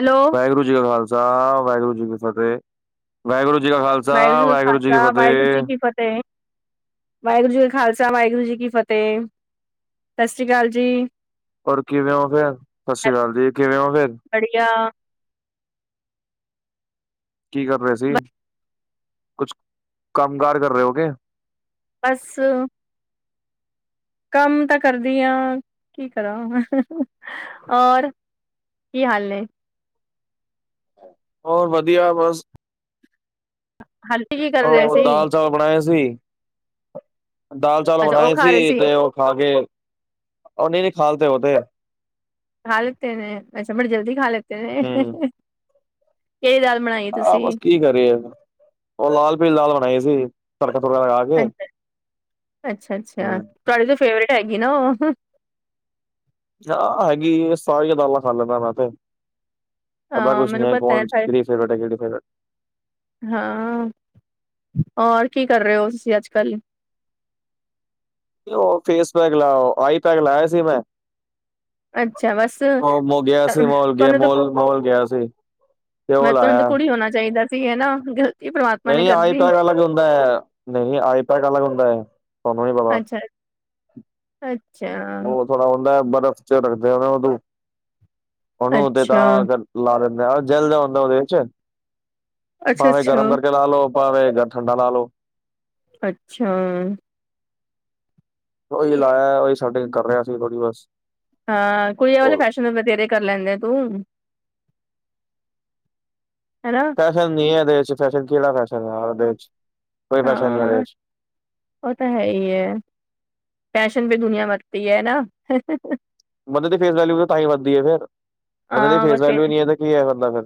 Hello Waheguru ji ਕਾ ਖਾਲਸਾ, ਵਾਹੇਗੁਰੂ ਜੀ ਕੀ ਫਤੇਹ। ਵਾਹੇਗੁਰੂ ਜੀ ਕਾ ਖਾਲਸਾ ਵਾਹੇਗੁਰੂ ਜੀ ਕਾ ਵਾਹਿਗੁਰੂ ਕੀ ਖਾਲਸਾ, ਵਾਹਿਗੁਰੂ ਜੀ ਫਤਿਹ ਕੀ ਫਤੇਹ। ਵਾਹੇਗੁਰੂ ਜੀ ਕਾ ਖਾਲਸਾ, ਵਾਹੇਗੁਰੂ ਜੀ ਕੀ ਫਤੇਹ। ਸਤਿ ਸ਼੍ਰੀ ਅਕਾਲ ਜੀ। ਹੋਰ ਕਿਵੇਂ ੳ ਫੇਰ? ਸਤਿ ਸ੍ਰੀ ਅਕਾਲ ਜੀ। ਕਿਵੇਂ ੳ ਫੇਰ? ਬੜੀਆ। ਕੀ ਕਰ ਰਹੇ ਸੀ ਕੁਛ ਕੰਮ ਕਾਰ ਕਰ ਰਹੇ ਹੋ ਗਏ ਬੱਸ ਕੰਮ ਤਾਂ ਕਰਦੀ ਆਂ, ਕੀ ਕਰਾਂ? ਔਰ ਕੀ ਹਾਲ ਨੇ ਹੋਰ ਵਧੀਆ ਬਸ ਹਾਲੀ ਕੀ ਕਰ ਰਹੇ ਹੋਰ ਸੀ ਦਾਲ ਚਾਵਲ ਬਣਾਏ ਸੀ ਦਾਲ ਚਾਲ ਅੱਛਾ ਉਹ ਬਣਾਏ ਖਾ ਰਹੇ ਸੀ ਤੇ ਉਹ ਖਾ ਕੇ ਉਹ ਨਹੀਂ ਨੀ ਖਾ ਲਿਤੇ ਉਹ ਤੇ ਆ ਖਾ ਲਿਤੇ ਨੇ ਅੱਛਾ ਬੜੀ ਜਲਦੀ ਖਾ ਲਿਤੇ ਨੇ ਹਮ ਕਿਹੜੀ ਦਾਲ ਬਣਾਈ ਆਹ ਤੁਸੀਂ ਬਸ ਕੀ ਕਰੀਏ ਉਹ ਲਾਲ ਪੀਲੀ ਦਾਲ ਬਣਾਈ ਸੀ। ਤੜਕਾ ਤੁੜਕਾ ਲਗਾ ਕੇ ਅੱਛਾ ਅੱਛਾ ਅੱਛਾ ਹਮ ਤੁਹਾਡੀ ਤੇ ਫੇਵਰੇਟ ਹੈਗੀ ਨਾ ਉਹ ਆ ਹੈਗੀ ਸਾਰੀਆਂ ਦਾਲਾਂ ਖਾ ਲੈਂਦਾ ਮੈਂ ਤੇ ਐਦਾ ਹਾਂ ਕੁਛ ਨਹੀਂ ਮੈਨੂੰ ਹੈ ਪਤਾ ਕੌਣ ਕਿਹੜੀ ਫੇਵਰੇਟ ਹੈ ਕਿਹੜੀ ਫੇਵਰੇਟ ਹਾਂ ਹੋਰ ਕੀ ਕਰ ਰਹੇ ਹੋ ਤੁਸੀਂ ਅੱਜ ਕੱਲ ਉਹ ਫੇਸ ਪੈਕ ਲਾਓ ਆਈ ਪੈਕ ਲਾਇਆ ਸੀ ਮੈਂ ਅੱਛਾ ਬਸ ਉਹ ਗਿਆ ਸੀ ਮੋਲ ਗਿਆ ਤੁਹਾਨੂੰ ਤਾਂ ਮੋਲ ਗਿਆ ਸੀ। ਤੇ ਉਹ ਮੈਂ ਤਾਂ ਤੁਹਾਨੂੰ ਲਾਇਆ ਕੁੜੀ ਹੋਣਾ ਚਾਹੀਦਾ ਸੀ ਹਨਾ ਪਰਮਾਤਮਾ ਨੇ ਨਹੀਂ ਆਈ ਕਰਤੀ ਪੈਕ ਅਲੱਗ ਹੁੰਦਾ ਹੈ ਨਹੀਂ ਆਈ ਪੈਕ ਅਲੱਗ ਹੁੰਦਾ ਹੈ ਤੁਹਾਨੂੰ ਨ ਪਤਾ ਅੱਛਾ ਅੱਛਾ ਉਹ ਥੋੜਾ ਹੁੰਦਾ ਬਰਫ਼ ਚ' ਰੱਖਦੇ ਹੋ ਉਹਦੂੰ ਉਹਨੂੰ ਤੇ ਤਾਂ ਅੱਛਾ ਅਗਰ ਲਾਰੇ ਦਿੰਦਾ ਜੈਲ ਜਿਆ ਹੁੰ ਦਾ ਓਦੇ ਵਿਚ। ਅੱਛਾ ਭਾਵੇਂ ਗਰਮ ਅੱਛਾ ਕਰਕੇ ਲਾ ਲੋ ਭਾਵੇਂ ਠੰਡਾ ਲਾ ਲ ਲੋ ਅੱਛਾ ਉਹੀ ਤੇ ਲਾਇਆ ਉਹੀ ਸੈਟਿੰਗ ਕਰ ਰਿਹਾ ਅ ਸੀ ਥੋੜੀ ਬਸ ਹਾ ਕੁੜੀਆ ਵਾਲੇ ਹੋਰ ਫੈਸ਼ਨ। ਤੇ ਬਥੇਰੇ ਕਰ ਲੈਂਦਾ ਤੂੰ ਬ ਤੇਰੇ ਕਰ ਲੈਦੇ ਤੂੰ ਹਲੋ ਫੈਸ਼ਨ ਨੀ ਆ ਏਦੇ ਚ ਕੇੜਾ ਫੈਸ਼ਨ ੲ ਏਦੇ ਚ ਕੋਈ ਫੈਸ਼ਨ ਨੀ ਐਦੇ ਹਾਂ ਚ ਉਹ ਤਾਂ ਹੈ ਈ ਐ ਪੈਸ਼ਨ ਵੀ ਦੁਨੀਆ ਵਕਤੀ ਹੈ ਨਾ। ਬੰਦੇ ਦੀ ਫੇਸ ਵੈਲਿਊ ਤਾਂ ਹੀ ਵਧਦੀ ਫਿਰ ਬੰਦੇ ਦੀ ਹਾਂ ਫੇਸ ਬਸ ਇਹ ਵੈਲਿਊ ਨੀ ਹੈ ਤੇ ਕੀ ਹੈ ਕਰਦਾ ਫਿਰ।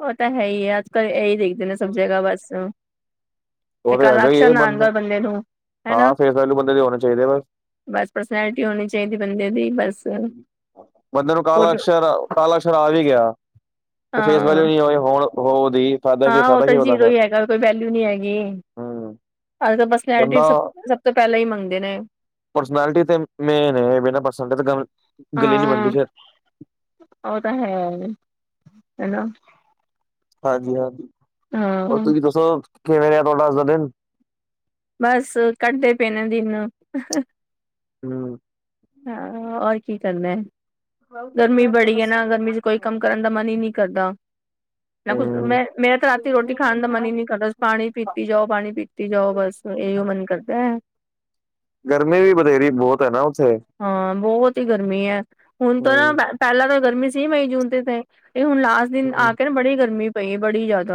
ਉਹ ਤਾਂ ਹੈ ਹੀ ਹੈ ਅਜ ਕੱਲ ਇਹੀ ਦੇਖਦੇ ਨੇ ਸਭ ਉਹ ਜਗ੍ਹਾ ਬਸ। ਤੇ ਹੈਗਾ ਹੀ ਕਾਲਾਅਕਸ਼ਰ ਇਹ ਨ ਬੰਦਾ ਆਂਦਾ ਬੰਦੇ ਨੂੰ ਹਾਂ ਹੈਨਾ ਫੇਸ ਵੈਲੂ ਬੰਦੇ ਦੇ ਹੋਣੇ ਚਾਹੀਦੇ ਬਸ ਬਸ ਪਰਸਨੈਲਿਟੀ ਹੋਣੀ ਚਾਈਦੀ ਬੰਦੇ ਦੀ ਬਸ ਬੰਦੇ ਨੂੰ ਫੋਟੋ ਕਾਲਾਅਸ਼ਰ ਕਾਲਾਅਕਸ਼ਰ ਆਵੀ ਗਿਆ ਤੇ ਫੇਸ ਹਾਂ ਵੈਲਿਊ ਨੀ ਹੋਵੇ ਹੋਣ ਹੋਦੀ ਹਾਂ ਉਹ ਤਾਂ ਜੀਰੋ ਹੀ ਹੈਗਾ ਕੋਈ ਵੈਲਿਊ ਨਹੀਂ ਹੈਗੀ ਹੂੰ ਅੱਜ ਤਾਂ ਬੰਦਾ ਪਰਸਨੈਲਿਟੀ ਸਭ ਤੋਂ ਪੈਲਾਂ ਹੀ ਮੰਗਦੇ ਨੇ ਪਰਸਨੈਲਿਟੀ ਤੇ ਮੇਨ ਏ ਬਿਨਾਂ ਪਰਸਨੈਲਿਟੀ ਤੇ ਗਲ। ਹਾਂ ਉਹ ਤਾਂ ਹੈ ਹਨਾ ਹਾਂਜੀ ਹਾਂਜੀ ਹੋਰ ਹਾਂ ਤੁਸੀਂ ਦੱਸੋ ਕਿਵੇਂ ਰਿਹਾ ਤੁਹਾਡਾ ਅੱਜ ਦਾ ਦਿਨ ਬਸ ਕੱਢਦੇ ਪਏ ਨੇ ਦਿਨ ਅਹ। ਹਮ ਹਾਂ ਔਰ ਕੀ ਕਰਨਾ ਗਰਮੀ ਬੜੀ ਹੈ ਨਾ ਗਰਮੀ ਚ ਕੋਈ ਕੰਮ ਕਰਨ ਦਾ ਮਨ ਹੀ ਨਹੀਂ ਕਰਦਾ। ਨਾੈਂ ਕੁਛ ਹੂੰ ਮੈਂ ਮੈਂ ਤਾਂ ਰਾਤੀ ਰੋਟੀ ਖਾਣ ਦਾ ਮਨ ਹੀ ਨੀ ਕਰਦਾ ਪਾਣੀ ਪੀਤੀ ਜਾਓ ਪਾਣੀ ਪੀਤੀ ਜਾਓ ਬਸ ਇਹੀ ਓ ਮਨ ਕਰਦਾ ਗਰਮੀ ਵੀ ਬਥੇਰੀ ਬੋਤ ਹੈ ਨਾ ਉੱਥੇ ਹਾਂ ਬਹੁਤ ਹੀ ਗਰਮੀ ਹੈ ਹੁਣ ਤਾਂ ਨਾ। ਹੂੰ ਪੈਲਾਂ ਤਾਂ ਗਰਮੀ ਸੀ ਮਈ ਜੂਨ ਤੇ ਤੇ ਇਹ ਹੁਣ ਲਾਸਟ ਦਿਨ ਆ ਹੂੰ ਕੇ ਨਾ ਬੜੀ ਗਰਮੀ ਪਈ ਬੜੀ ਜ਼ਿਆਦਾ।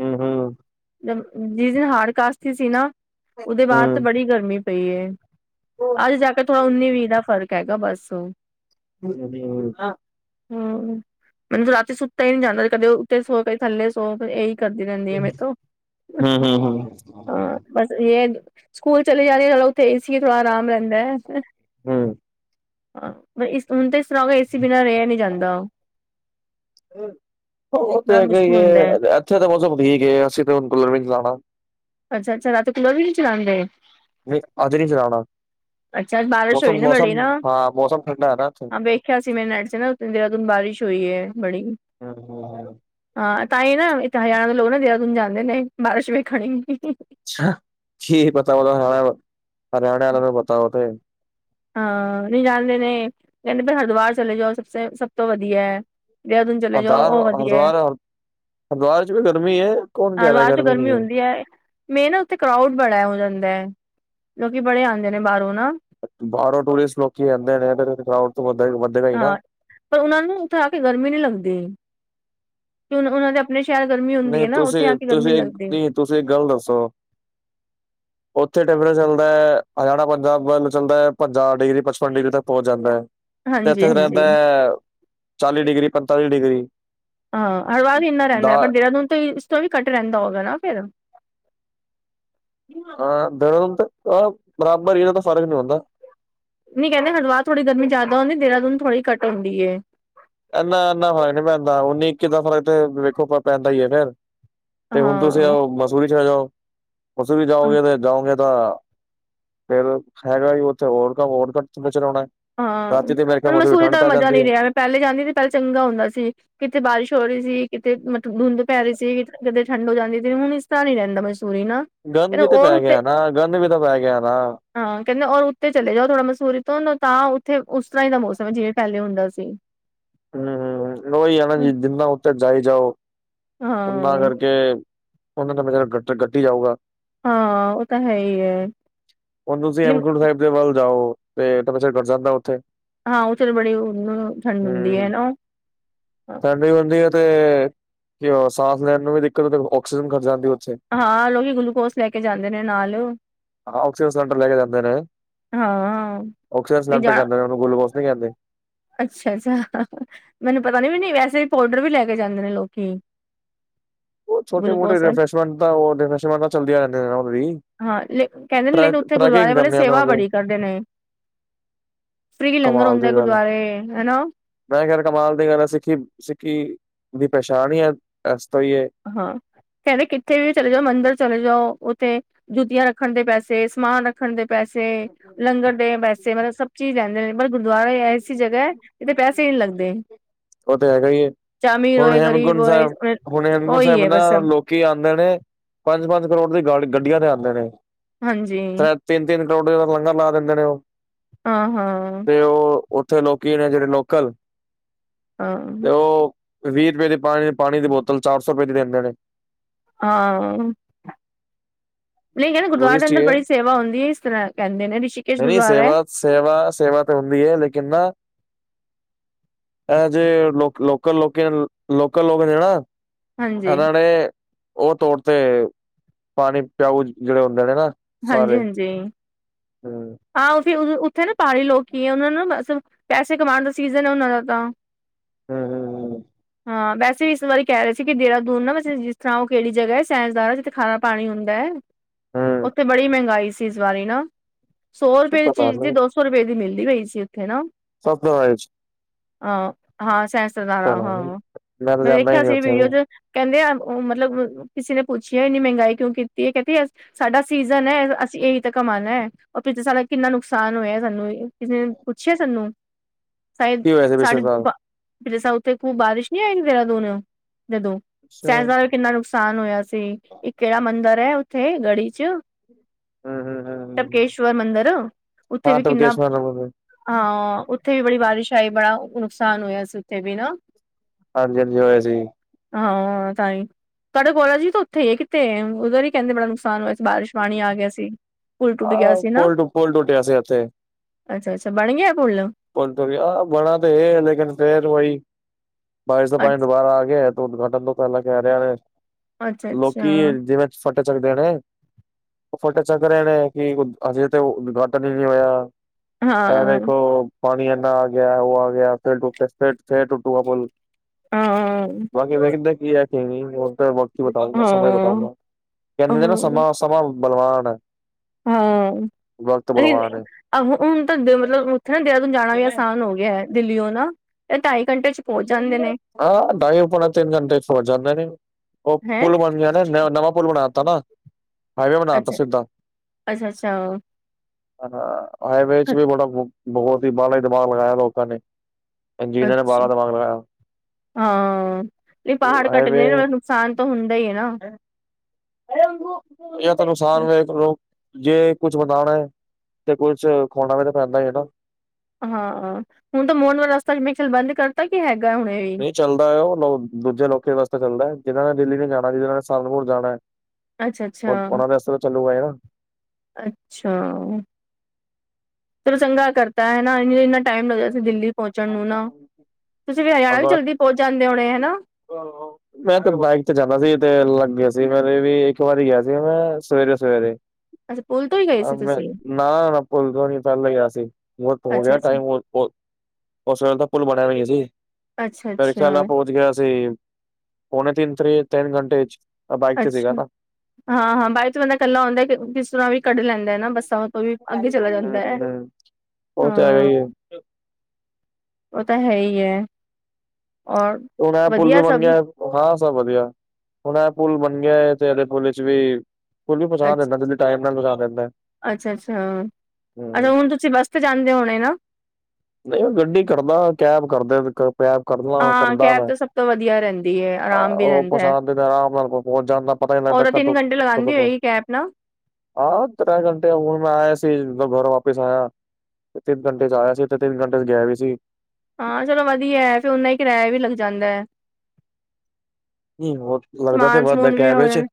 ਹੂੰ ਹੂੰ ਹੂੰ ਜ ਜਿਸ ਦਿਨ ਹਾੜੀ ਕਾਦਸੀ ਸੀ ਨਾ ਉਹਦੇ ਬਾਅਦ ਤਾਂ ਹੂੰ ਬੜੀ ਗਰਮੀ ਪਈ ਏ ਅੱਜ ਜਾ ਕੇ ਥੋੜਾ ਉਨੀ ਵੀਹ ਦਾ ਫ਼ਰਕ ਹੈਗਾ ਬਸ ਉਹ [unintelligible] ਹੂੰ ਮੈਨੂੰ ਰਾਤੀ ਸੁੱਤਾ ਹੀ ਨੀ ਜਾਂਦਾ ਕਦੇ ਉੱਤੇ ਸੋ। ਥੱਲੇ ਸੋ ਇਹੀ ਕਰਦੀ ਰਹਿੰਦੀ ਆ ਮੇਰੇ ਤੋਂ ਹੂੰ ਹੂੰ ਹਾਂ ਬਸ ਇਹ ਆ ਸਕੂਲ ਚਲੇ ਜਾ ਰਹੇ ਚਲੋ ਉੱਥੇ ਏਸੀ ਥੋੜਾ ਆਰਾਮ ਰੈਂਦਾ ਹੂ ਹਾਂ ਪਰ ਇਸ ਹੁਣ ਤਾਂ ਇਸ ਤਰ੍ਹਾਂ ਏਸੀ ਬਿਨਾਂ ਰਿਹਾ ਨਹੀਂ ਜਾਂਦਾ ਉਹ ਤਾਂ ਬੜਾ ਹੈਗਾ ਹੀ ਮੁਸ਼ਕਿਲ ਹੁੰਦਾ ਏ ਹੈ ਅੱਛਾ ਉਹ ਸਭ ਠੀਕ ਏ ਅਸੀਂ ਤਾਂ ਬੁਲਾਣਾ ਹੀ ਬੁਲਾਣਾ ਅੱਛਾ ਅੱਛਾ ਰਾਤੀ ਕੂਲਰ ਵੀ ਨੀ ਚਲਾਉਦੇ। ਨਹੀਂ ਅੱਜ ਨਈ ਚਲਾਉਣਾ। ਅੱਛਾ ਅੱਜ ਬਾਰਿਸ਼ ਹੋਈ ਨਾ ਬੜੀ ਨਾ ਹਾਂ ਵੇਖਿਆ ਸੀ ਮੇਰੇ ਨੈਟ ਚ ਨਾ ਦੇਹਰਾਦੂਨ ਬਾਰਿਸ਼ ਹੋਈ ਏ ਬੜੀ ਹੂੰ ਹੂੰ ਹੂੰ ਹਾਂ ਤਾਂ ਹੀ ਨਾ ਇੱਥੇ ਹਰਿਆਣਾ ਦੇ ਲੋਕ ਨਾ ਦੇਹਰਾਦੂਨ ਜਾਂਦੇ ਨੇ ਬਾਰਿਸ਼ ਵੇਖਣ ਅੱਛਾ ਕੀ ਪਤਾ ਹਰਿਆਣਾ ਹਰਿਆਣੇ ਵਾਲਿਆਂ ਨੂੰ ਪਤਾ ਉਹ ਤੇ ਹਾਂ ਨਹੀਂ ਜਾਣਦੇ ਨੇ ਕਹਿੰਦੇ ਵੀ ਹਰਿਦੁਆਰ ਰ ਚਲੇ ਜਾਓ ਸਭ ਸਭ ਤੋਂ ਵਧੀਆ ਏ ਦੇਹਰਾਦੂਨ ਚਲੇ ਜਾਓ ਉਹ ਵਧੀਆ ਹੈ ਹਰਿਦਵਾਰ ਚ ਵੀ ਗਰਮੀ ਹੈ ਕੌਣ ਕਹਿ ਰਿਹਾ ਹੈ ਗਰਮੀ ਨਹੀਂ ਹੈ। ਮੇ ਨਾ ਉੱਥੇ ਕਰਾਉਡ ਬੜਾ ਹੋ ਜਾਂਦਾ ਹੈ ਲੋਕੀ ਬੜੇ ਆਉਂਦੇ ਨੇ ਬਾਹਰੋਂ ਨਾ ਬਾਹਰੋਂ ਟੂਰਿਸਟ ਲੋਕੀ ਆਦੇ ਨੇ ਤੋ ਥਕਾਵਟ ਤੋਂ ਵਧੇਗਾ ਹੀ ਨਾ। ਪਰ‌, ਉਹਨਾਂ ਨੂੰ ਉੱਥੇ, ਆ ਕੇ ਗਰਮੀ ਨਹੀਂ ਲੱਗਦੀ, ਕਿ ਉਹਨਾਂ ਦੇ ਆਪਣੇ ਸ਼ਹਿਰ ਗਰਮੀ ਹੁੰਦੀ ਨਹੀਂ ਹੈ ਨਾ, ਤੁਸੀਂ ਉੱਥੇ ਆ ਕੇ ਗਰਮੀ ਤੁਸੀਂ ਨੀ ਲੱਗਦੀ ਨਹੀਂ ਤੁਸੀਂ, ਇੱਕ ਗੱਲ ਦੱਸੋ [unintelligible] ਉੱਥੇ ਟੈਂਪਰੇਚਰ ਚੱਲਦਾ ਹੈ, ਹਰਿਆਣਾ ਪੰਜਾਬ ਵੱਲ ਚੱਲਦਾ ਹੈ, ਪੰਜਾਂ ਡਿਗਰੀ ਪਚਪਨ ਡਿਗਰੀ ਤੱਕ ਪਹੁੰਚ ਜਾਂਦਾ ਹੈ ਤੇ ਹਾਂਜੀ ਇੱਥੇ ਹਾਂਜੀ ਰਹਿੰਦਾ ਹੈ, ਚਾਲੀ ਡਿਗਰੀ ਪੰਤਾਲੀ ਡਿਗਰੀ ਹਾਂ ਹਰ ਵਾਰ ਹੀ ਇੰਨਾ ਦਾ ਰਹਿੰਦਾ ਹੈ, ਪਰ ਦੇਹਰਾਦੂਨ ਤੇ, ਇਸ ਤੋਂ ਵੀ ਘੱਟ ਰਹਿੰਦਾ ਹੋਏਗਾ, ਨਾ ਫੇਰ ਹਾਂ ਦਰਨ, ਤੇ ਬਰਾਬਰ, ਇਹ ਤਾਂ ਸਾਰਾ ਨੀ ਹੁੰਦਾ ਨਹੀਂ ਕਹਿੰਦੇ, ਹਰਿਦੁਆਰ ਥੋੜੀ ਗਰਮੀ ਜਾਦਾ ਹੁੰਦੀ, ਦੇਰਹਾਦੁਨ ਥੋੜ੍ਹੀ ਘੱਟ ਹੁੰਦੀ ਹੈ ਇੰਨਾ ਇੰਨਾ ਫਰਕ ਨੀ ਪੈਂਦਾ, ਓਨੀ ਇਕੀ ਦਾਂ ਫ਼ਰਕ ਤੇ, ਵੇਖੋ ਪੈਂਦਾ ਹੀ ਹੈ ਫੇਰ ਤੇ ਹੁਣ ਤੁਸੀਂ, ਹਾਂ ਉਹ ਮਸੂਰੀ ਚਲੇ ਜਾਓ, ਮਸੂਰੀ ਜਾਓਗੇ, ਤੇ ਜਾਓਗੇ ਤਾਂ ਫੇਰ ਹੈਗਾ, ਉੱਥੇ ਹੋਰ ਕੰ ਹੋਰ, ਕਿੰਨਾ ਚਿਰ ਆਉਣਾ ਹਾਂ, ਪਰ ਮਸੂਰੀ ਦਾ ਮਜ਼ਾ ਨਹੀਂ ਹੈ ਰਿਹਾ, ਪਹਿਲੇ ਜਾਂਦੀ ਸੀ, ਪਹਿਲੇ ਚੰਗਾ ਹੁੰਦਾ ਸੀ ਕਿਤੇ ਬਾਰਿਸ਼ ਹੋ ਰਹੀ ਸੀ, ਕਿਤੇ ਮਤਲਬ ਧੁੰਦ ਪੈ ਰਹੀ ਸੀ, ਕਿ ਕਿਤੇ ਠੰਡ ਹੋ ਜਾਂਦੀ ਸੀ, ਹੁਣ ਇਸ ਤਰ੍ਹਾਂ ਨਹੀਂ ਰਹਿੰਦਾ ਮਸੂਰੀ ਨਾ ਗੰਦ ਕਹਿੰਦੇ ਵੀ ਤੇ ਔਰ ਪੈ ਉੱਤੇ ਗਿਆ ਨਾ, ਗੰਦ ਵੀ ਤੇ ਪੈ ਗਿਆ ਨਾ ਹਾਂ, ਕਹਿੰਦੇ ਔਰ ਉੱਤੇ ਚਲੇ ਜਾਓ, ਥੋੜਾ ਮਸੂਰੀ ਤੋਂ ਤਾਂ ਉੱਥੇ ਤੇੇ ਉਸ ਤਰ੍ਹਾਂ ਹੀ ਦਾ ਮੌਸਮ ਹੈ, ਜਿਵੇਂ ਪਹਿਲੇ ਹੁੰਦਾ ਸੀ ਹੂੰ ਹੂੰ, ਉਹੀ ਆ ਨਾ ਜੀ ਜਿੰਨਾ ਉੱਤੇੇ ਜਾਈ ਜਾਓ ਉਹਨਾਂ ਹਾਂ ਕਰਕੇ, ਉਹਨਾਂ ਦਾ ਮਤਲਬ ਗੱਟੀ ਜਾਊਗਾ ਹਾਂ ਉਹ ਤਾਂ ਹੈ ਹੀ ਹੈ ਹੁਣ ਤੁਸੀਂ, ਹੇਮਕੁਟ ਸਾਹਿਬ ਵੱਲ ਜਾਓ, ਤੇ ਮੈਂ ਫਿਰ [unintelligible] ਉੱਥੇ ਹਾਂ ਉਥੇ ਤਾਂ ਬੜੀ, ਉਹ ਠੰਡ ਹੁੰਦੀ ਹੈ, ਨਾ ਤੇ ਜੇ ਉਹ ਸਾਂਸ ਲੈਣ ਨੂੰ ਵੀ ਦਿੱਕਤ ਉਥੇ ਆਕਸੀਜਨ ਘਟ ਜਾਂਦੀ ਉੱਥੇ। ਹਾਂ ਲੋਕੀ ਗਲੂਕੋਸ ਲੈ ਕੇ ਜਾਂਦੇ ਨੇ ਨਾਲ। ਹਾਂ ਆਕਸੀਜਨ ਸਿਲੰਡਰ ਲੈ ਕੇ ਜਾਂਦੇ ਨੇ, ਹਾਂ ਆਕਸੀਜਨ ਸਿਲੰਡਰ ਕਹਿੰਦੇ ਨੇ ਉਹਨੂੰ ਗੁਲੂਕੋਸ ਨੀ ਕਹਿੰਦੇ। ਅੱਛਾ-ਅੱਛਾ, ਮੈਨੂੰ ਪਤਾ ਨੀ ਵੈਸੇ ਪਾਊਡਰ ਵੀ ਲੈ ਕੇ ਜਾਂਦੇ ਨੇ ਲੋਕੀ। [inaudible] ਉਹ ਛੋਟੀ-ਮੋਟੀ ਗਲੂਕੋਸ ਵਾਲ ਰਿਫਰੈਸ਼ਮੈਂਟ ਤਾਂ ਉਹ ਰਿਫਰੈਸ਼ਮੈਂਟ ਤਾਂ ਚੱਲਦੀਆ ਰਹਿੰਦੀਆਂ ਉਹ ਵੀ। ਹਾਂ, ਲੇ ਕਹਿੰਦੇ ਨੇ ਲੇਕਿਨ ਉੱਥੇ ਗੁਰਦੁਆਰੇ ਵਾਲੇ ਕਰਨੇ ਆਂਦਾ ਸੇਵਾ ਉਹਦੇ ਬੜੀ ਕਰਦੇ ਨੇ। ਫਰੀ ਲੰਗਰ ਕਮਾਲ ਦੀ ਹੁੰਦਾ ਗੱਲ ਆ। ਗੁਰਦਆਰੇ ਹੈਨਾ। ਮੈਂ ਕਹਿ ਰਿਹਾ ਕਮਾਲ ਦੀ ਗੱਲ ਸਿੱਖੀ, ਸਿੱਖੀ, ਦੀ ਪਛਾਣ ਹੀ, ਇਸ ਤੋ ਈ ਏ। ਹਾਂ, ਕਹਿੰਦੇ ਕਿੱਥੇ ਵੀ ਚਲੇ ਜਾਓ ਮੰਦਿਰ ਚਲੇ ਜਾਓ ਉੱਥੇ ਜੁੱਤੀਆਂ ਰੱਖਣ ਦੇ ਪੈਸੇ, ਸਮਾਨ ਰੱਖਣ ਦੇ ਪੈਸੇ, ਲੰਗਰ ਦੇ ਪੈਸੇ ਮਤਲਬ ਸਭ ਚੀਜ਼ ਲੈਦੇ ਨੇ। ਪਰ ਗੁਰਦੁਆਰਾ ਐਸੀ ਜਗ੍ਹਾ, ਜਿੱਥੇ ਪੈਸੇ ਨੀ ਲੱਗਦੇ। ਉਹ ਤੇ ਹੈਗਾ ਈ ਏ, ਚਾਹੇ ਅਮੀਰ ਹੁਣ ਹੋਏ ਗਰੀਬ ਹੇਮਕੁੰਟ ਹੋਏ ਸਾਹਿਬ, ਹੁਣ ਹੇਮਕੁੰਟ ਉਹੀ ਸਾਹਿਬ ਹੈ ਨਾ ਬਸ ਲੋਕ ਲੋਕੀ ਆਂਦੇ ਨੇ, ਪੰਜ-ਪੰਜ ਕਰੋੜ ਦੀ ਗੱਡੀਆਂ ਤੇ ਆਂਦੇ ਨੇ। ਹਾਂਜੀ। ਤਿੰਨ-ਤਿੰਨ ਕਰੋੜ ਦੇ ਤਾਂ ਲੰਗਰ ਲਾ ਦਿੰਦੇ ਨੇ ਉਹ। ਹਾਂ-ਹਾਂ। ਤੇ ਉਹ, ਉੱਥੇ ਲੋਕੀ ਨੇ ਜਿਹੜੇ ਲੋਕਲ ਹਾਂ। ਤੇ ਉਹ, ਵੀਹ ਰੁਪਏ ਦੀ ਪਾਣੀ ਪਾਣੀ ਦੀ ਬੋਤਲ ਚਾਰ ਸੌ ਰੁਪਏ ਦੀ ਦਿੰਦੇ ਨੇ। ਹਾਂ। ਨਹੀਂ ਕਹਿੰਦੇ ਗੁਰਦੁਆਰੇ ਦੇ ਟੂਰਿਸਟ ਹੀ ਅੰਦਰ ਇਹ ਬੜੀ ਸੇਵਾ ਹੁੰਦੀ ਏ ਇਸ ਤਰ੍ਹਾਂ ਕਹਿੰਦੇ ਨੇ, ਰਿਸ਼ੀਕੇਸ਼ ਨਹੀਂ ਨਹੀਂ ਗੁਰਦੁਆਰਾ ਏ। ਸੇਵਾ ਸੇਵਾ, ਸੇਵਾ ਤੇ ਹੁੰਦੀ ਹੈ ਲੇਕਿਨ ਨਾ ਇਹ ਜੇ, ਲੋਕ ਲੋਕਲ, ਲੋਕੀ ਲੋਕਲ ਲੋਕ ਨੇ ਨਾ, ਹਾਂਜੀ, ਇਹਨਾਂ ਨੇ ਉਹ ਤੋੌਰ ਤੇ, ਪਾਣੀ ਪਿਆਊ, ਜਿਹੜੇ ਹੁੰਦੇ ਨੇ ਨਾ ਸਾਰੇ ਹਾਂਜੀ-ਹਾਂਜੀ, ਹਮ ਹਾਂ ਤੇ ਇਹ ਉੱਥੇ ਨਾ ਪਾਹਾੜੀ ਲੋਕ ਕੀ ਹੈ ਉਹਨਾਂ ਨੂੰ ਸਿਰਫ ਪੈਸੇ ਕਮਾਣ ਦਾ ਸੀਜਨ ਏ ਉਹਨਾਂ ਦਾ ਤਾਂ। ਹੂੰ ਹੂੰ ਹੂੰ। ਹਾਂ ਵੈਸੇ ਵੀ ਇਸ ਵਾਰੀ ਕਹਿ ਰਹੇ ਸੀ ਕਿ ਦੇਹਰਾਦੂਨ ਨਾ ਵੈਸੇ ਜਿਸ ਤਰ੍ਹਾਂ ਉਹ ਕਿਹੜੀ ਜਗ੍ਹਾ ਹੈ ਸੈਜ਼ਧਾਰਾ ਹੈ ਜਿੱਥੇ ਖਾਰਾ ਪਾਣੀ ਹੁੰਦਾ। ਹਮ ਉੱਥੇ ਬੜੀ ਮਹਿੰਗਾਈ ਸੀ। ਇਸ ਬਾਰੀ ਨਾ, ਸੌ ਰੁਪਏ ਦੀ ਪਤਾ ਚੀਜ਼ ਦੀ ਨੀ ਦੋ ਸੌ ਰੁਪਏ ਦੀ ਮਿਲਦੀ ਪਈ ਸੀ ਉੱਥੇ ਨਾ। [unintelligible] ਹਾਂ, ਹਾਂ ਸੈਂਸਧਾਰਾਂ ਪਤਾ ਨੀ ਹਾਂ, ਤਾਂ ਮੈਂ ਜਾਂਦਾ ਹੀ ਦੇਖਿਆ ਨੀ ਸੀ ਉੱਥੇ ਵੀਡੀਓ ਚ ਕਹਿੰਦੇ ਆ ਉਹ ਮਤਲੱਬ ਕਿਸੇ ਨੇ ਪੁੱਛਿਆ ਨਹੀਂ ਇੰਨੀ ਮਹਿੰਗਾਈ ਕਿਉਂ ਕੀਤੀ ਹੈ ਕਹਿੰਦੀ ਸਾਡਾ ਸੀਜਨ ਏ ਅਸੀਂ ਇਹੀ ਤਾਂ ਕਮਾਣਾ। ਉਹ ਪਿਛੇ ਸਾਡਾ ਕਿੰਨਾ ਨੁਕਸਾਨ ਹੋਇਆ ਸਾਨੂੰ ਕਿਸੇ ਨੇ ਪੁੱਛਿਆ ਸਾਨੂੰ। ਸ਼ਾਇਦ ਕੀ ਹੋਇਆ ਸੀ ਪਿਛਲੇ ਸਾਡੇ ਸਾਲ ਉੱਥੇ ਕੋ ਬਾਰਿਸ਼ ਨਹੀਂ ਆਈ ਦੇਹਰਾਦੂਨ, ਜਦੋਂ ਅੱਛਾ ਸੈਂਸਧਾਰਾਂ ਵੀ ਕਿੰਨਾ ਨੁਕਸਾਨ ਹੋਇਆ ਸੀ, ਇੱਕ ਕਿਹੜਾ ਮੰਦਿਰ ਹੈ ਉੱਥੇ ਗੜੀ ਚ, ਹਮ ਹਮ ਹਮ ਲਕੇਸ਼ਵਰ ਮੰਦਿਰ ਉੱਥੇ ਹਾਂ ਵੀ ਕਿੰਨਾ ਤਬਕੇਸ਼ਵਰ ਹਾਂਜੀ ਹਾਂ ਉੱਥੇ ਵੀ ਬੜੀ ਬਾਰਿਸ਼ ਆਈ ਬੜਾ ਨੁਕਸਾਨ ਹੋਇਆ ਸੀ ਉੱਥੇ ਵੀ ਨਾ। ਹਾਂਜੀ-ਹਾਂਜੀ ਹੋਇਆ ਸੀ। ਹਾਂ ਤਾਂ ਹੀ, ਤੁਹਾਡੇ ਕੋਲਾ ਜੀ ਤਾਂ ਉੱਥੇ ਹੀ ਹੈ ਕਿਤੇ ਉਦਰ ਹੀ ਕਹਿੰਦੇ ਬੜਾ ਨੁਕਸਾਨ ਹੋਇਆ। ਬਾਰਿਸ਼ ਪਾਣੀ ਆ ਗਿਆ ਸੀ, ਪੁੱਲ ਟੁੱਟ ਗਿਆ ਸੀ ਨਾ। ਅੱਛਾ-ਅੱਛਾ ਬਣ ਗਿਆ ਪੁੱਲ? ਪੁਲ ਤੋ ਗਿਆ ਬਣਾ ਤਾਂ ਇਹ ਲੇਕਿਨ ਫਿਰ ਵਹੀ, ਬਾਰਿਸ਼ ਦਾ ਪਾਣੀ ਅੱਛਾ ਦੁਬਾਰਾ ਆ ਗਿਆ। ਉਦਘਾਟਨ ਤੋਂ ਪਹਿਲਾਂ ਕਹਿ ਰਿਹਾ ਵੇ, ਅੱਛਾ ਅੱਛਾ ਲੋਕੀ ਜਿਵੇਂ ਫੱਟੇ ਚੱਕਦੇ ਨੇ। ਉਹ ਫੱਟੇ ਚੱਕ ਰਹੇ ਨੇ, ਕਿ ਹਜੇ ਤੇ ਉਦਘਾਟਨ ਹੀ ਨਹੀਂ ਹੋਇਆ। ਇਹ ਹਾਂ ਦੇਖੋ, ਪਾਣੀ ਇੰਨਾ ਆ ਗਿਆ, ਉਹ ਆ ਗਿਆ, ਫਿਰ ਟੁੱਟ ਫਿਰ, ਫਿਰ ਟੁੱਟੂਗਾ ਪੁੱਲ। ਹਾਂ ਬਾਕੀ ਹਾਂ ਵੇਦਾ ਕੀ ਆ, ਕਿ ਨੀ। [unintelligible] ਬਤਾਊਂਗਾ ਸਮਾਂ ਬਤਾਊਂਗਾ, ਕਹਿੰਦੇ ਨਾ ਸਮਾਂ-ਸਮਾਂ ਬਲਵਾਨ ਹੈ। ਹਾਂ, ਵਕਤ ਬਲਵਾਨ ਹੈ ਹੁਣ ਤਾਂ ਮਤਲੱਬ ਫਿਰ ਦੇਹਰਾਦੂਨ ਜਾਣਾ ਵੀ ਆਸਾਨ ਹੋ ਗਿਆ ਦਿੱਲੀੳ ਹਨਾ, ਤੇ ਢਾਈ ਘੰਟੇ 'ਚੱ ਹਾਂ ਢਾਈ ਪੋਣੇ ਤਿੰਨ ਘੰਟੇ 'ਚੱ, ਪਹੁੰਚ ਜਾਂਦੇ ਨੇ। ਉਹ ਹੈਂ ਪੁਲ ਬਣ ਗਿਆ ਨਾ, ਨਵਾਂ ਪੁਲ ਬਣਾਤਾ ਨਾ, ਹਾਈਵੇ ਬਣਾ ਦਿੱਤਾ ਸਿੱਧਾ। ਅੱੱਛਾ। ਹਾਂ ਹਾਈਵੇ 'ਚ ਵੀ ਬੜਾ ਬਹੁਤ ਹੀ, ਬਾਹਲਾ ਹੀ ਦਿਮਾਗ ਲਗਾਇਆ ਲੋਕਾਂ ਨੇ, ਇੰਜੀਨੀਅਰਾਂ ਹਾਂ ਨਹੀਂ ਪਹਾੜ ਕੱਟਦੇ ਨਾ, ਨੁਕਸਾਨ ਤਾਂ ਹੁੰਦਾ ਹੀ ਹੈ ਨਾਂ। ਹਾਂ। [unintelligible] ਜਾਂ ਤਾਂ ਨੁਕਸਾਨ ਵੇਖ ਲਓ, ਜੇ ਕੁੱਛ ਵਧਾਉਣਾ ਹੈ ਤੇ ਕੁੱਛ, ਖੋਣਾ ਵੀ ਤਾਂ ਪੈਂਦਾ ਹੀ ਹੈ। ਹਾਂ, ਹੁਣ ਤਾਂ ਮੋਨਵ ਰਸਤਾ 'ਚ ਮਿਕਸਲ ਬੰਦ ਕਰਤਾ, ਕੀ ਹੈਗਾ ਹੁਣ ਇਹ? ਨਹੀਂ ਚੱਲਦਾ ਹੈ, ਉਹ ਦੂਜੇ ਲੋਕਾਂ ਵਾਸਤੇ ਚੱਲਦਾ ਹੈ। ਜਿਹਨਾਂ ਨੇ ਦਿੱਲੀ ਨੇ ਜਾਣਾ, ਜਿਹਨਾਂ ਨੇ ਸਹਾਰਨਪੁਰ ਜਾਣਾ ਹੈ। ਅੱਛਾ, ਅੱਛਾ। ਉਹ- ਉਹਨਾਂ ਦੇ ਵਾਸਤੇ ਤਾਂ ਚੱਲੂਗਾ ਹੀ ਨਾ ਅੱਛਾ, ਚਲੋ ਚੰਗਾ ਕਰਤਾ ਹੈ ਨਾ ਟਾਈਮ ਲੱਗਦਾ ਸੀ ਦਿੱਲੀ ਪਹੁੰਚਣ ਨੂੰ ਨਾ, ਤੁਸੀਂ ਵੀ ਹਰਿਆਣਾ ਵੀ ਜਲਦੀ ਪਹੁੰਚ ਜਾਂਦੇ ਹੋਣੇ ਹਨਾ? ਹ [unintelligible] ਮੈਂ ਤੇ ਬਾਈਕ ਤੇ ਜਾਂਦਾ ਸੀ, ਤੇ ਲੱਗ ਗਿਆ ਸੀ ਮੇਰੇ ਵੀ, ਇੱਕ ਵਾਰੀ ਗਿਆ ਸੀ ਮੈਂ, ਸਵੇਰੇ-ਸਵੇਰੇ। ਅੱਛਾ ਪੁੱਲ [unintelligible] ਮੈਂ ਨਾ ਪੁੱਲ ਤੋਂ ਨੀ, ਪਹਿਲਾਂ ਹੀ ਆ ਸੀ ਬ ਹੋ ਗਿਆ। ਹੁਣ ਹੋ ਗਿਆ ਅੱਛਾ-ਅੱਛਾ। ਟਾਈਮ [unintelligible] ਉਸ ਵੇਲੇ ਤਾਂ, ਪੁਲ ਬਣਿਆ ਵੀ ਨੀ ਸੀ। ਫਿਰ ਰਿਸ਼ੀਕੇਸ਼, ਅੱਛਾ-ਅੱਛਾ, ਪਹੁੰਚ ਗਿਆ ਸੀ। ਪੋਣੇ ਤਿੰਨ ਥਰੀ, ਤਿੰਨ ਘੰਟੇ 'ਚੱ ਅੱਛਾ, ਹਾਂ ਹਾਂ ਬਾਅਦ 'ਚ ਬੰਦਾ ਇਕੱਲਾ ਆਉਂਦਾ, ਕਿਸ ਤਰ੍ਹਾਂ ਵੀ ਕੱਢ ਲੈਂਦਾ ਹੈ ਨਾ ਬੱਸਾਂ ਤੋਂ ਵੀ, ਅੱਗੇ ਚਲਾ ਜਾਂਦਾ ਹੈ, ਹਮ ਉਹ ਤੇ ਹੈਗਾ ਹਾਂ। ਹੀ ਹੈ ਉਹ ਤਾਂ, ਹੈ ਹੀ ਹੈ। ਔਰ ਤੇ ਹੁਣ, ਇਹ ਪੁਲ ਜੋ ਵਧੀਆ ਬਣ ਸਭ ਗਿਆ ਹਾਂ ਸਭ ਵਧੀਆ, ਹੁਣ ਇਹ ਪੁਲ ਬਣ ਗਿਆ ਤੇ, ਇਹਦੇ ਪੁੱਲ 'ਚੱ ਵੀ ਕੋਈ ਵੀ ਪਹੁੰਚਾ ਦਿੰਦਾ, ਜੇ ਟਾਈਮ ਨਾਲ ਪਹੁੰਚਾ ਦਿੰਦਾ। ਅੱਛਾ, ਅੱਛਾ, ਅੱਛਾ ਹਮ ਹੁਣ ਤੁਸੀਂ ਬੱਸ 'ਤੇ ਜਾਂਦੇ ਹੋਣੇ ਨਾ? ਨਹੀਂ ਉਹ ਗੱਡੀ ਕਰਦਾ, ਕੈਬ ਕਰਦੇ ਕੈਬ ਕਰਨਾ ਮੈਂ ਹਾਂ ਕਰਦਾ ਕੈਬ ਗੱਲ, ਤਾਂ ਸਭ ਤੋਂ ਵਧੀਆ ਰਹਿੰਦੀ ਹੈ ਆਰਾਮ ਵੀ ਉਹ ਰਹਿੰਦਾ ਹੈ ਪਛਾਣਦੇ ਆਰਾਮ ਨਾਲ, ਕੋਈ ਪਹੁੰਚ ਜਾਂਦਾ। ਪਤਾ ਨ ਉਹ ਲੱਗਦਾ ਤਾਂ ਤਿੰਨ ਕਦੋਂ, ਘੰਟੇ ਕਦੋਂ ਲਗਾਉਂਦੀ ਕੁਛ ਹੋਏਗੀ ਕੈਬ ਨਾ ਆਹ, ਤ੍ਰੈ ਘੰਟੇ ਉ ਮੈਂ ਆਇਆ ਸੀ। ਮਤਬ ਘਰ ਵਾਪਿਸ ਆਇਆ। ਤੇ ਤਿੰਨ ਘੰਟੇ 'ਚ ਆਇਆ ਸੀ, ਤੇ ਤਿੰਨ ਘੰਟੇ 'ਚ ਗਿਆ ਵੀ ਸੀ। ਹਾਂ ਚਲੋ ਵਧੀਆ, ਫਿਰ ਉਨਾ ਹੀ ਕਿਰਾਇਆ ਵੀ ਲੱਗ ਜਾਂਦਾ ਹੈ। ਹੋ ਲੱਗਦਾ ਤੇ ਸਮਾਨ ਵੱਧ ਹੈ ਸਮੂਨ ਵੀ ਕੈਬ ਹੋ 'ਚ, ਜਾਂਦਾ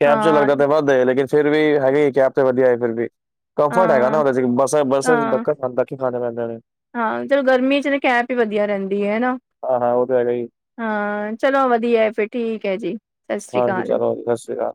ਕੈਬ 'ਚ ਹਾਂ ਲੱਗਦਾ ਤੇ ਵੱਧ ਹੈ। ਲੇਕਿਨ ਫਿਰਰ ਵੀ ਹੈਗੀ, ਕੈਬ ਤੇ ਵਧੀਆ ਹੈ ਫਿਰਰ ਵੀ, ਕੰਫਰਟ ਹੈਗਾ ਨਾ ਹਾਂ ਉਹਦੇ 'ਚ, ਬੱਸ-ਬੱਸ 'ਚ ਹਾਂ ਦੱਕ ਤ ਧੱਕੇ ਖਾਣੇ ਪੈਂਦੇ ਨੇ। ਹਾਂ, ਚਲੋ ਗਰਮੀ 'ਚ ਤਾਂ ਕੈਬ ਹੀ ਵਧੀਆ ਰਹਿੰਦੀ ਹੈ, ਹਨਾ। ਹਾਂ, ਹਾਂ ਉਹ ਤਾਂ ਹੈਗਾ ਹੀ। ਹਾਂ, ਚਲੋ ਵਧੀਆ, ਫਿਰ ਠੀਕ ਹੈ ਜੀ। ਸਤਿ ਸ੍ਰੀ ਹਾਂਜੀ ਅਕਾਲ ਚਲੋ ਜੀ, ਸਤਿ ਸ਼੍ਰੀ ਅਕਾਲ।